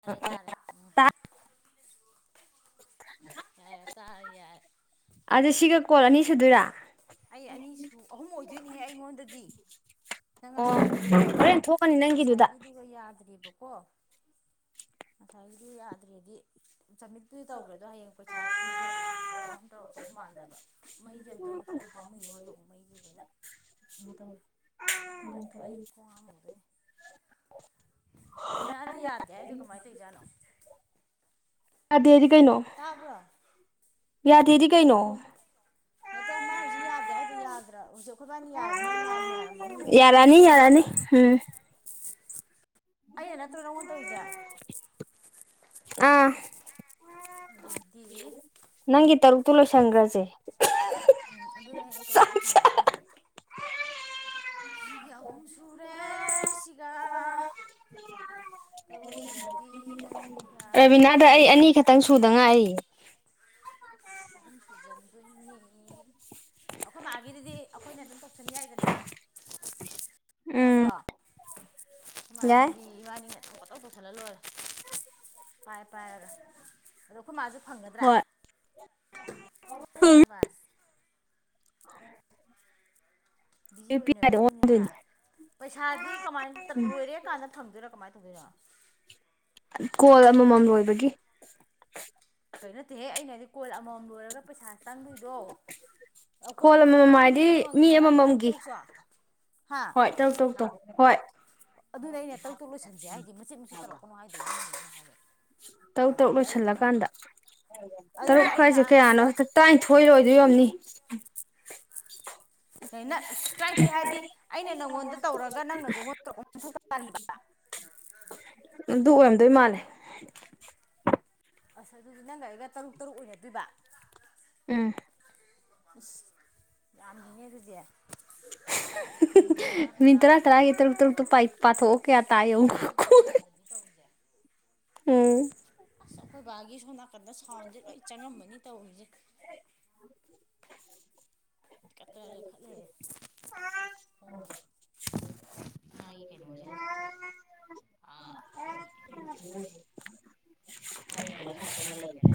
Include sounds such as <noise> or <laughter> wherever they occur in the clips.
ꯇꯔꯦ ꯇꯔ ꯌꯥ ꯑꯦ ꯇꯥ ꯌꯥ ꯑꯗꯨ ꯁꯤꯒ ꯀꯣꯜ ꯑꯅꯤ ꯁꯨꯗꯣꯏꯔꯥ ꯑꯩ ꯑꯅꯤꯁꯨ ꯑꯍꯨꯝ ꯑꯣꯏꯗꯣꯏꯅꯤꯍꯦ ꯑꯩꯉꯣꯟꯗꯗꯤ ꯅꯪ ꯑꯣ ꯉꯁꯥꯏꯒꯤꯗꯨꯒ ꯍꯣꯔꯦꯟ ꯊꯣꯛꯀꯅꯤ ꯅꯪꯒꯤꯗꯨꯗ ꯉꯁꯥꯏꯒꯤꯗꯨꯒ ꯌꯥꯗ꯭ꯔꯤꯕꯕꯀꯣ ꯉꯁꯥꯏꯒꯤꯗꯤ ꯌꯥꯗ꯭ꯔꯦꯗꯤ ꯆꯃꯤꯠꯇꯨꯗꯤ ꯇꯧꯈ꯭ꯔꯦꯗꯣ ꯍꯌꯦꯡ ꯄꯩꯁꯥ ꯊꯤꯕꯗꯥ ꯀꯥꯎꯟ ꯇꯧꯔꯛꯄꯧ ꯃꯥꯟꯗꯕ ꯃꯩꯁꯦ ꯑꯝꯇꯪ ꯃꯨꯊꯠꯂꯨꯄꯥ ꯃꯩ ꯍꯣꯏꯔꯣ ꯃꯩꯗꯨꯗꯨꯅ ꯇ ꯗꯝ ꯇꯂ ꯑꯩꯒꯀꯣꯡ ꯑꯃ ꯑꯣꯏꯗꯣꯏ ꯃꯤꯅꯥꯅ ꯌꯥꯗꯦ ꯍꯥꯏꯗꯤ ꯀꯃꯥꯏꯅ ꯇꯧꯖꯥꯠꯅꯣ ꯌꯥꯗꯦꯗꯤ ꯀꯩꯅꯣ ꯇꯥꯕ꯭ꯔꯣ ꯌꯥꯗꯦꯗꯤ ꯀꯩꯅꯣ ꯍꯥꯏꯗ ꯃꯥ ꯍꯧꯖꯤꯛ ꯌꯥꯗꯦ ꯍꯥꯏꯗꯣ ꯌꯥꯗ꯭ꯔꯥ ꯍꯧꯖꯤꯛ ꯑꯩꯈꯣꯏꯕꯥꯏꯅ ꯌꯥꯔꯝꯃꯤꯅ ꯃꯌꯥꯝ ꯌꯥꯔꯝꯃꯅꯤꯌꯦ ꯔꯅꯤ ꯌꯥꯔꯅꯤ ꯎꯝ ꯑꯩꯅ ꯅꯠꯇ꯭ꯔꯣ ꯅꯪꯉꯣꯟ ꯇꯧꯔꯤꯁꯦ ꯑꯥ ꯎꯝ ꯅꯪꯒꯤ ꯇꯔꯨꯛꯇꯨ ꯂꯣꯏꯁꯟꯈ꯭ꯔꯁꯦ ꯎꯝ ꯑꯗꯨ ꯍꯌꯦ ꯑꯩ ꯀ ꯂꯣꯏꯁꯤꯜꯂꯒꯦ ꯑꯩꯁꯦ ꯑꯩꯒꯤ ꯑꯍꯨꯝ ꯁꯨꯔꯦ ꯁꯤꯒ ꯇꯕꯨ ꯁꯤ ꯅꯗꯤ ꯅꯪꯒꯤꯗꯤ ꯀꯌꯥ ꯔꯕꯤꯅꯥꯗ ꯇꯧꯗꯣꯏ ꯑꯩ ꯑꯅꯤ ꯈꯛꯇꯪ ꯁꯨꯗ ꯉꯥꯏꯔꯤ ꯑꯍꯨꯝ ꯁꯨꯖꯟꯗꯣꯏꯅꯦ ꯑꯩꯈꯣꯏ ꯃꯥꯒꯤꯗꯨꯗꯤ ꯑꯩꯈꯣꯏꯅ ꯑꯗꯨꯝ ꯇꯧꯁꯟ ꯌꯥꯏꯗꯅ ꯎꯝ ꯌꯥꯗ꯭ꯔꯣ ꯌꯥꯏ ꯁꯨꯃꯥꯏꯅꯕꯤꯗꯤ ꯏꯕꯥꯅꯤꯅ ꯑꯗꯨꯝ ꯐꯣꯇꯧ ꯇꯧꯁꯜꯍ ꯂꯣꯏꯔꯦ ꯄꯥꯏ ꯄꯥꯏꯔꯒ ꯑꯗꯣ ꯑꯩꯈꯣꯏ ꯃꯥꯁꯨꯦ ꯐꯪꯒꯗ꯭ꯔꯥ ꯍꯣꯏ ꯆꯥꯕ ꯑ ꯕꯤꯖꯤ ꯑꯣꯏꯅꯕꯩꯅꯤꯅꯦꯍ ꯄꯩꯁꯥꯗꯤ ꯀꯃꯥꯏꯅ ꯂꯣꯏꯔꯦ ꯀꯥꯟꯗ ꯊꯝꯗꯣꯏꯔꯣ ꯀꯃꯥꯏꯅ ꯇꯧꯗꯣꯏꯔꯣ ꯀꯣꯜ ꯑꯃꯃꯝ ꯂꯣꯏꯕꯒꯤ ꯀꯩꯅꯣꯠꯇꯦꯍꯦ ꯑꯩꯅ ꯍꯥꯏꯗꯤ ꯀꯣꯜ ꯑꯃꯃꯝ ꯂꯣꯏꯔꯒ ꯄꯩꯁꯥ ꯆꯪꯗꯣꯏꯗꯣ ꯀꯣꯜ ꯀꯣꯜꯃꯝ ꯑꯃꯃꯝ ꯍꯥꯏꯗꯤ ꯃꯤ ꯑꯃꯃꯝꯒꯤ ꯃꯉꯥ ꯇꯔꯨꯛ ꯑꯃꯃꯝꯒꯤ ꯇꯔꯨꯛꯁꯨ ꯍꯣꯏ ꯇꯧ ꯇꯧ ꯇꯧ ꯍꯣꯏ ꯑꯗꯨꯅ ꯑꯩꯅ ꯇꯔꯨ ꯇꯨ ꯂꯣꯏꯁꯟꯁꯦ ꯍꯥꯏꯗꯤ ꯃꯆꯠ ꯃꯆꯠ ꯇꯧꯔꯛꯄꯅꯣ ꯍꯥꯏꯗꯣ ꯍꯥꯏꯦ ꯇꯔꯨꯛ ꯇꯔꯨꯛ ꯂꯣꯏꯁꯤꯜꯂꯀꯥꯟꯗ ꯑꯗꯨꯗꯤ ꯇꯔꯨꯛ ꯑꯩꯅ ꯀꯥꯏꯁꯦ ꯅꯪꯉꯣꯟꯗ ꯀꯌꯥꯅꯣ ꯍꯗ ꯇꯔꯥꯅꯤꯊꯣꯏ ꯂꯣꯏꯗꯣꯏ ꯌꯣꯅꯤ ꯅ ꯆꯥꯏꯊꯣꯛꯑꯦ ꯍꯥꯏꯔꯗꯤ ꯑꯩꯅ ꯅꯪꯉꯣꯟꯗ ꯇꯧꯔꯒ ꯅꯪꯅꯁꯨ ꯑꯗꯨ ꯑꯣꯏꯔꯝꯗꯣꯏ ꯃꯥꯜꯂꯦ ꯑꯁ ꯑꯗꯨꯗꯤ ꯅꯪꯒ ꯑꯩꯒ ꯇꯔꯨꯛ ꯇꯔꯨꯛ ꯑꯣꯏꯅꯗꯣꯏꯕ ꯎꯝ ꯑꯁ ꯌꯥꯝꯃꯤꯅꯦ ꯑꯗꯨꯗꯤ ꯃꯤꯅꯤꯠ ꯇꯔꯥ ꯃꯤ ꯇꯔꯥ ꯇꯔꯥꯒꯤ ꯇꯔꯨꯛ ꯇꯔꯨꯛꯇꯣ ꯄꯥꯏ ꯄꯥꯊꯣꯛꯑꯣ ꯀꯌꯥ ꯇꯥꯏꯧ ꯊꯥꯖꯒꯥꯗꯗꯤ ꯇꯧꯔꯤꯁꯦ ꯎꯝ ꯑꯁ ꯑꯩꯈꯣꯏ ꯕꯥꯒꯤ ꯁꯣꯝ ꯅꯥꯀꯟꯗ ꯁꯥꯎꯟꯁꯦ ꯂꯣꯏ ꯆꯪꯉꯃꯅꯤ ꯇꯧꯔꯤꯁꯦ <unintelligible> ꯂꯩꯈꯠ ꯂꯩꯔꯦ ꯁꯣꯝꯗ <unintelligible> ꯀꯔꯤ ꯔꯦꯗꯤꯑꯣꯁꯦ ꯀꯟꯅ ꯂꯩꯈꯠꯇꯅ ꯂꯩꯈꯔꯦ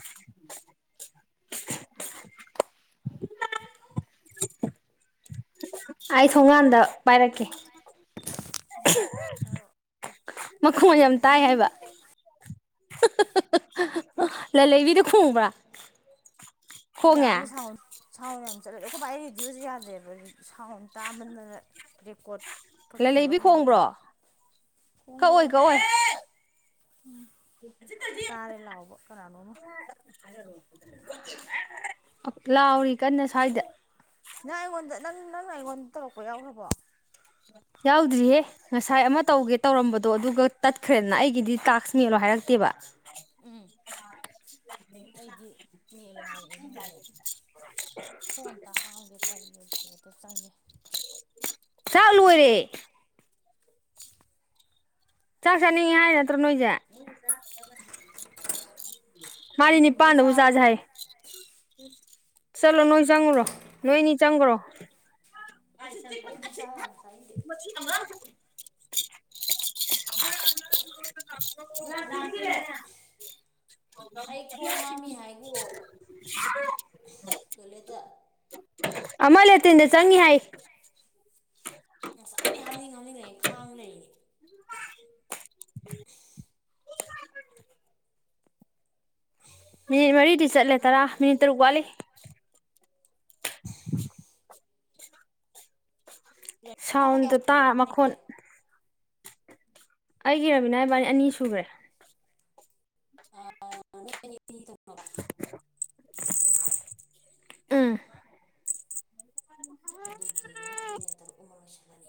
ꯑꯩ ꯊꯣꯡꯒꯥꯟꯗ ꯄꯥꯏꯔꯛꯀꯦ <unintelligible> <unintelligible> ꯂꯂꯩꯕꯤꯗ ꯈꯣꯡꯕ꯭ꯔꯥ ꯈꯣꯡꯉꯦ <unintelligible> ꯁꯥꯎꯟ ꯁꯥꯎꯟ ꯌꯥꯝ ꯆꯠꯂꯦ ꯑꯩꯈꯣꯏ ꯕꯥꯥꯏ ꯔꯦꯗꯤꯁꯦ ꯌꯥꯗꯦꯕ ꯁꯥꯎꯟ ꯇꯥꯕꯗ ꯔꯦꯀꯣꯠ ꯀꯠꯈꯥꯕꯔ ꯂꯂꯩꯕꯤ ꯈꯪꯕꯣꯠꯇ ꯈꯣꯡꯕ꯭ꯔꯣ ꯀꯛꯑꯣꯏ ꯈꯣꯡꯗꯦꯗ ꯀꯛꯑꯣꯏ ꯇꯔꯦ ꯂꯥꯎꯕ ꯀꯅꯥꯅꯣꯝꯃ ꯂꯥꯎꯔꯤ ꯀꯟꯅ ꯁ꯭ꯋꯥꯏꯗ ꯅꯪ ꯑꯩꯉꯣꯟꯗ ꯅꯪ ꯅꯪꯅ ꯑꯩꯉꯣꯟꯗ ꯇꯧꯔꯛꯄ ꯌꯥꯎꯒ꯭ꯔꯕꯣ ꯌꯥꯎꯗ꯭ꯔꯤꯍꯦ ꯉꯁꯥꯏ ꯑꯃ ꯇꯧꯒꯦ ꯇꯧꯔꯝꯕꯗꯣ ꯑꯗꯨꯒ ꯇꯠꯈ꯭ꯔꯦꯗꯅ ꯑꯩꯒꯤꯗꯤ ꯇꯥꯛꯁ ꯃꯦꯂꯣ ꯍꯥꯏꯔꯛꯇꯦꯕ ꯎꯝ ꯑꯩꯗꯤ ꯅꯦꯜꯂꯣ ꯍꯥꯏꯔꯛꯑꯦꯅꯦ ꯐꯣꯟ ꯑꯥꯥꯡꯝꯒꯦ <unintelligible> ꯇꯔ ꯂꯩ <unintelligible> ꯆꯥꯛ ꯂꯣꯏꯔꯦ ꯆꯥꯛ ꯆꯥꯅꯤꯡꯉꯤ ꯍꯥꯏ ꯅꯠꯇ꯭ꯔꯣ ꯅꯣꯏꯖꯦ ꯃꯥꯗꯤ ꯆꯥꯅꯤꯡꯕꯈꯩ ꯅꯤꯄꯥꯟꯗꯕꯨ ꯆꯖꯦ ꯆꯥꯔꯣꯌꯣ ꯍꯥꯏ ꯆꯂꯣ ꯅꯣꯏ ꯆꯪꯒ꯭ꯔꯣ ꯅꯣꯏꯅꯤ ꯆꯪꯒ꯭ꯔꯣ ꯑꯩꯗꯤ ꯆꯥ ꯌꯥꯝ ꯆꯄꯤꯗꯦ <unintelligible> <unintelligible> <unintelligible> ꯑꯩ ꯈꯣꯡ ꯍꯥꯝꯃꯤ ꯍꯥꯏꯒꯨꯑꯣ <unintelligible> ꯇꯣꯏꯂꯦꯠꯇ ꯃꯥ ꯂꯦꯇꯤꯟꯗ ꯆꯪꯉꯤ ꯍꯥꯏ ꯉꯁꯥꯏꯗꯤ ꯍꯥꯝꯅꯤꯡ ꯍꯥꯝꯅꯤꯡ ꯂꯩ ꯈꯥꯡ ꯂꯩꯅꯦ ꯃꯤꯅꯤꯠ ꯃꯔꯤꯗꯤ ꯆꯠꯂꯦ ꯇꯔꯥ ꯃꯤꯅꯤꯠ ꯇꯔꯨꯛ ꯋꯥꯠꯂꯤ <unintelligible> ꯔꯦꯟꯗ ꯀꯌꯥ ꯁꯥꯎꯟꯗꯣ ꯇꯥ ꯁꯨꯈ꯭ꯔꯒꯦ ꯃꯈꯣꯟ ꯅꯪꯒꯤ ꯑꯩꯒꯤ ꯔꯕꯤꯅꯥ ꯏꯕꯥꯅꯤ ꯑꯅꯤ ꯁꯨꯔꯦ <unintelligible> <unintelligible> ꯎꯝ ꯑꯗꯨꯗꯤ ꯑꯩꯅ ꯇꯔꯨꯛ ꯑꯃ ꯂꯣꯏꯁꯜꯂꯅꯤ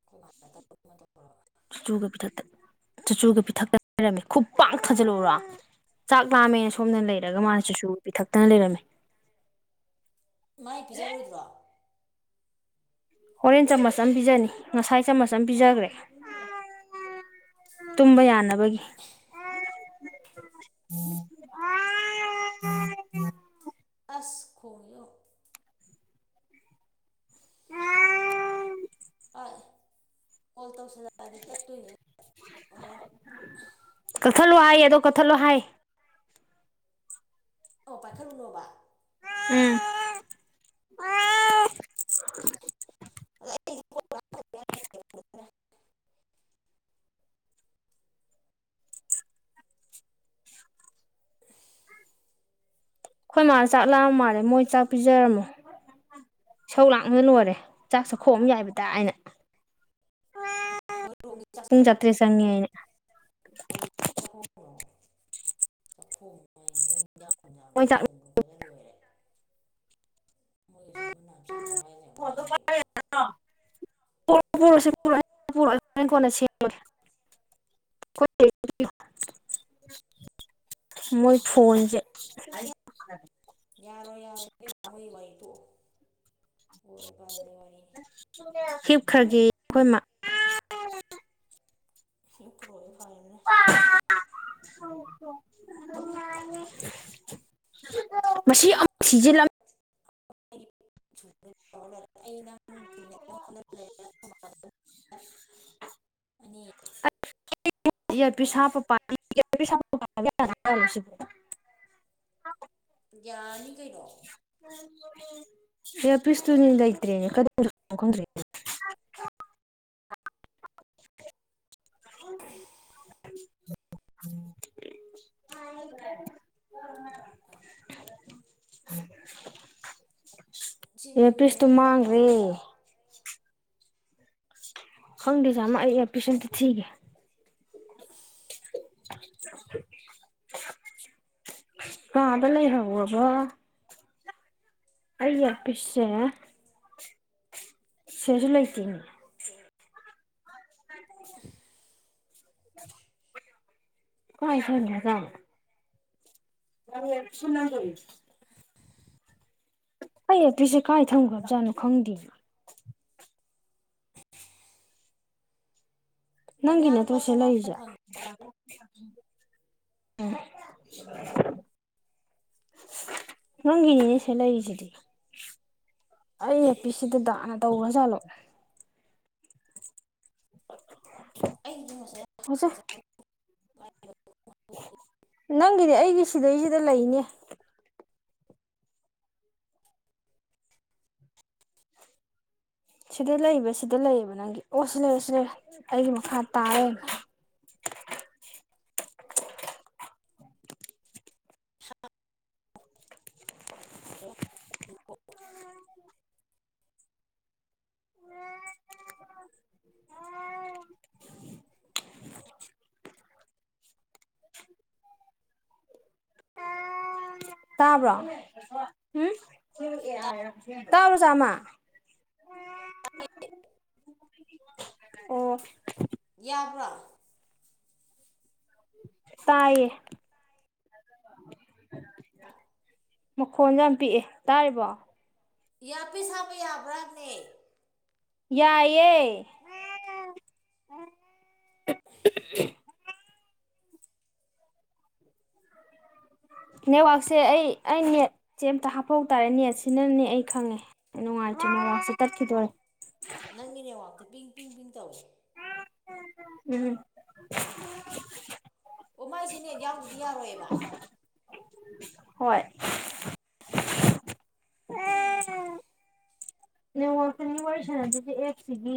<unintelligible> ꯇꯧꯔꯕ ꯆꯨꯆꯨꯒ ꯄꯤꯊꯛꯇ ꯆꯨꯆꯨꯒ ꯄꯤꯊꯛꯇ ꯂꯩꯔꯝꯃꯤ ꯈꯨꯄꯥꯡ ꯊꯥꯖꯜꯂꯎꯔꯣ <unintelligible> ꯆꯥꯛ ꯂꯥꯝꯃꯦ ꯁꯣꯝꯅ ꯂꯩꯔꯒ ꯃꯥꯅ ꯁꯤꯁꯨ ꯄꯤꯊꯛꯇꯅ ꯂꯩꯔꯝꯃꯦ ꯃꯥꯏ ꯄꯤꯖꯔꯣꯏꯗ꯭ꯔꯣ ꯑꯣꯔꯦꯟ ꯆꯥꯃꯁ ꯑꯃ ꯄꯤꯖꯅꯤ ꯉꯁꯥꯏ ꯆꯃꯁ ꯑꯃ ꯄꯤꯖꯈ꯭ꯔꯦ ꯇꯨꯝꯕ ꯌꯥꯅꯕꯒꯤ ꯑꯁ ꯈꯣꯡꯉꯤꯖꯦ ꯌꯦꯡꯎ <inaudible> ꯀꯣꯜ ꯇꯧꯁꯜꯂꯛꯑꯗꯤ ꯇꯠꯇꯣꯏꯅꯦ ꯍꯣꯔꯦꯟ ꯀꯛꯊꯠꯂꯣ ꯍꯥꯏ ꯑꯗꯣ ꯀꯠꯊꯠꯂꯣ ꯍꯥꯏ ꯑꯣ ꯄꯥꯏꯈꯠꯂꯨꯅꯣꯕ ꯎꯝ <unintelligible> ꯑꯩꯈꯣꯏ ꯃꯥꯜ ꯀꯣꯜ ꯆꯥꯛ ꯀꯅꯥꯝ ꯇꯧꯅꯤꯡꯉꯦ ꯂꯥꯛꯂꯥꯝꯃꯥꯜꯂꯦ ꯃꯣꯏ ꯆꯥꯛ ꯄꯤꯖꯔꯝꯃꯣ ꯏꯁꯧ ꯂꯥꯡꯅ ꯂꯣꯏꯔꯦ ꯆꯥꯛ ꯁꯈꯣꯡꯑꯝ ꯌꯥꯏꯕ ꯗ ꯑꯩꯅ ꯍꯣꯏꯔꯣꯝꯒꯤ ꯆꯥꯛ ꯄꯨꯨꯡ ꯆꯇ꯭ꯔꯦꯠ ꯆꯪꯉꯤ ꯍꯥꯏꯅ ꯆ <unintelligible> ꯃꯥꯏ ꯍꯦꯟꯖꯥꯡ ꯅꯨꯡꯖꯥꯡ ꯃꯣꯏ ꯂꯣꯏ ꯆꯥꯛ ꯊꯣꯡꯕꯗ ꯂꯣꯏꯔꯦ ꯃꯨꯅꯥꯞ ꯆꯥꯗꯕ ꯋꯥꯏꯔꯦ ꯌꯥꯝ ꯉꯥꯡꯉꯦꯕ ꯄꯨꯔꯛꯑꯣ ꯄꯨꯔꯛꯁꯤ ꯄꯨꯔꯛ ꯄꯨꯔꯛ ꯀꯣꯟꯅ ꯁꯦꯝꯃꯒꯦ <unintelligible> ꯃꯣꯏ ꯐꯣꯟꯖꯦ <unintelligible> ꯌꯥꯔꯣꯏ ꯌꯥꯔꯣꯏ ꯏꯕꯦꯝ ꯃ ꯃꯣꯏ ꯋꯥꯔꯤ ꯇꯣꯛꯑꯣ ꯑꯣꯏꯔꯣꯏ ꯄꯥꯔꯣꯏꯗꯩ ꯋꯥꯔꯤ ꯍꯤꯞ ꯈ꯭ꯔꯒꯦ ꯑꯩꯈꯣꯏ ꯃꯥ ꯍꯤꯞꯄꯨꯔꯣꯌꯣ ꯐꯔꯦ ꯗꯨꯅ ꯄꯥ <unintelligible> ꯃꯁꯤ ꯑꯃ ꯑꯗꯨꯝ ꯄꯨꯔꯛꯑꯣ ꯐꯔꯕꯅꯤꯅ ꯑꯩꯈꯣꯏ ꯕꯥ ꯊꯤꯖꯤꯜꯂꯝ ꯑꯩꯩꯅ <unintelligible> ꯂꯩꯔꯛꯑꯅꯤ ꯌꯥ ꯄ ꯔꯕꯤꯅꯥ ꯁꯥꯥꯄ ꯄ <unintelligible> ꯒꯌꯥꯅꯤ ꯀꯩꯅꯣ ꯏꯌꯥꯄꯤꯁꯇꯨꯅꯤ ꯂꯩꯇꯔꯦ ꯀꯗꯣꯝ ꯆꯠꯈꯔꯅꯣ ꯈꯪꯗꯔꯦ <unintelligible> <unintelligible> ꯁꯤ ꯑꯦꯔꯄꯤꯁꯇꯨ ꯅꯣꯡꯃꯗ ꯄꯨꯂꯞ ꯃꯥꯥꯡꯒ꯭ꯔꯦ ꯐꯪꯗꯣꯏꯖꯥꯔꯣ ꯈꯪꯗꯦ ꯁꯥꯥꯝꯃ ꯑꯩ ꯑꯦꯔꯄꯤꯁ‌ ꯑꯝꯇ ꯊꯤꯒꯦ ꯀꯗ ꯂꯩ ꯍꯧꯔꯕ ꯑꯩ ꯏꯌꯥꯄꯤꯁꯁꯦ ꯁꯤꯗꯁꯨ ꯂꯩꯇꯦꯅꯦ ꯀꯥꯏ ꯊꯟꯒꯔꯖꯥꯠꯅꯣ ꯅꯪ ꯑꯦꯔꯄꯤꯁꯁꯨ ꯂꯩꯒꯔꯦ ꯑꯩ ꯏꯌꯔꯄꯤꯁꯦ ꯀꯥꯏ ꯊꯝꯈ꯭ꯔꯕꯖꯥꯠꯅꯣ ꯈꯪꯗꯦ ꯅꯪꯒꯤ ꯔꯕꯤꯅꯥ ꯅꯠꯇꯔꯣ ꯂꯨꯄꯥ ꯁꯤ ꯆꯃꯥꯄꯜ ꯂꯩꯖꯦ ꯐꯪ ꯎꯝ ꯅꯪꯒꯤꯅꯤꯅꯦ ꯁꯤ ꯂꯩꯏꯁꯤꯗꯤ ꯑꯩ ꯑꯦꯄꯤꯁꯤ ꯗꯗꯥꯅ ꯇꯧꯈ꯭ꯔ ꯖꯥꯠꯂꯣ <unintelligible> <unintelligible> ꯀꯁ꯫ <unintelligible> ꯅꯪꯒꯤꯗꯤ ꯑꯩꯒꯤ ꯁꯤꯗꯩꯁꯤꯗ ꯂꯩꯅꯦ꯫ ꯁꯤꯗ ꯂꯩꯕ ꯁꯤꯗ ꯂꯩꯌꯦꯕ ꯅꯪꯒꯤ ꯑꯣ ꯁꯤ ꯂꯩꯔꯦ ꯁꯤ ꯂꯩꯔꯦ ꯑꯩꯒꯤ ꯃꯈꯥ ꯇꯥꯂꯩꯔꯝꯃꯦ꯫ <unintelligible> <unintelligible> <unintelligible> ꯇꯥꯕ꯭ꯔꯣ ꯍꯨꯝ ꯇꯥꯕ꯭ꯔꯣ ꯆꯥꯃ꯫ ꯑꯣ꯫ ꯌꯥꯕ꯭ꯔꯥ꯫ ꯇꯥꯏꯌꯦ꯫ ꯃꯈꯣꯟꯗꯣ ꯌꯥꯝ ꯄꯤꯛꯑꯦ ꯇꯥꯔꯤꯕꯣ꯫ ꯏꯌꯥꯄꯤꯁ ꯍꯞꯄꯥ ꯌꯥꯕ꯭ꯔꯥ ꯍꯥꯏꯕꯅꯦ꯫ ꯌꯥꯏꯌꯦ꯫ ꯅꯦꯠꯋꯥꯛꯁꯦ ꯑꯩ ꯑꯩ ꯅꯦꯠꯁꯦ ꯑꯝꯇ ꯍꯥꯞꯐꯧ ꯇꯥꯔꯦ ꯅꯦꯠ ꯁꯤꯅꯅꯦ ꯑꯩ ꯈꯪꯉꯦ꯫ ꯅꯨꯡꯒꯥꯏꯇꯦ ꯅꯦꯠꯋꯥꯛꯁꯦ ꯇꯠꯈꯤꯗꯣꯔꯦ꯫ ꯅꯪꯒꯤ ꯅꯦꯋꯥꯛꯇ ꯄꯤꯡ ꯄꯤꯡ ꯄꯤꯡ ꯇꯧꯋꯦ꯫ ꯎꯝ꯫ ꯑꯣ ꯃꯥꯏꯁꯤ ꯅꯦꯠ ꯌꯥꯎꯗꯗꯤ ꯌꯥꯔꯣꯏꯌꯦꯕ꯫ ꯍꯣꯏ꯫ <unintelligible> ꯅꯦꯠꯋꯥꯛꯁꯦ ꯃꯤ ꯋꯥꯔꯤ ꯁꯥꯅꯗꯔ꯭ꯤꯁꯦ ꯑꯦꯠꯁꯀꯤꯗꯤ꯫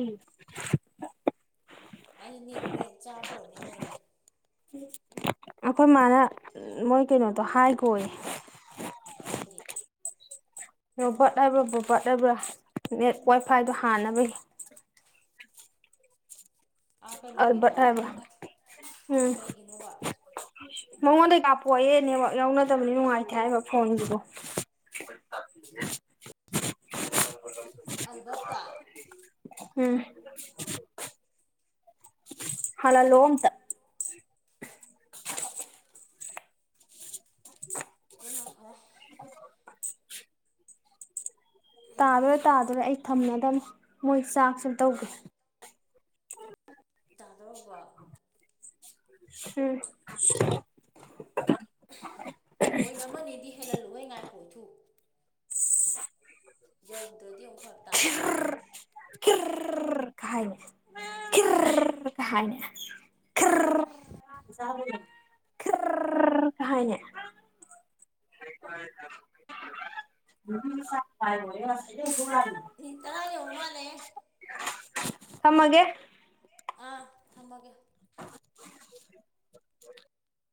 ꯑꯩ ꯅꯦꯠ ꯆꯥꯕ ꯑꯣꯏꯅꯤ ꯃꯣꯏꯅ꯫ <unintelligible> ꯑꯈꯣꯏ ꯃꯥꯅ ꯃꯣꯏ ꯀꯩꯅꯣꯗꯣ ꯍꯥꯏꯈꯣꯌꯦ꯫ ꯀꯔꯤ ꯔꯣꯕꯥꯔꯠ ꯍꯥꯏꯕ꯭ꯔ ꯕꯣꯕꯠ ꯍꯥꯏꯕ꯭ꯔꯥ ꯅꯦꯠ ꯋꯥꯏꯐꯥꯏꯗꯣ ꯍꯥꯟꯅꯕꯒꯤ꯫ ꯑꯥ ꯑꯜꯕ꯭ꯔ ꯀꯩꯅꯣꯒꯤꯗꯣ ꯍꯥꯏꯕ꯭ꯔ ꯎꯝ꯫ ꯀꯩꯒꯤꯅꯣꯕ ꯃꯉꯣꯟꯗꯩ ꯀꯥꯞꯄꯣꯛꯑꯣꯌꯦ ꯅꯦꯠꯋꯥꯛ ꯌꯥꯎꯅꯗꯕꯅꯤꯅ ꯅꯨꯡꯉꯥꯏꯇꯦ ꯍꯥꯏꯕ ꯐꯣꯟꯒꯤꯗꯣ꯫ ꯑꯜꯕꯥꯔ꯭ꯠꯇ ꯇꯣ꯫ ꯎꯝ꯫ ꯍꯥꯜꯍꯜꯂꯛꯑꯣ ꯑꯝꯇꯥ꯫ ꯑꯗꯨꯅ ꯐꯔꯦ꯫ ꯇꯥꯗꯣꯔꯦ ꯇꯥꯗꯣꯔꯦ ꯑꯩ ꯊꯝꯃꯗꯕꯅꯤ ꯃꯣꯏ ꯆꯥꯛꯁꯨ ꯇꯧꯒꯦ꯫ ꯇꯗꯨꯔꯕꯣ꯫ <unintelligible> ꯄꯣꯏꯟ ꯑꯃꯅꯤꯗꯤ ꯍꯦꯜꯍꯜꯂꯨꯍꯦ ꯉꯥꯏꯈꯣ ꯍꯨꯏꯊꯨ꯫ ꯌꯧꯗ꯭ꯔꯗꯤ ꯑꯃꯨꯛ ꯐꯔꯛ ꯇꯥꯅꯤ꯫ ꯈꯤꯔ <unintelligible> <unintelligible> <unintelligible> <unintelligible> <inaudible> ꯃꯤꯅꯤꯠ ꯇꯔꯥ ꯌꯧꯔ ꯃꯥꯜꯂꯦꯍꯦ꯫ ꯊꯝꯃꯒꯦ꯫ ꯑꯥ ꯊꯝꯃꯒꯦ꯫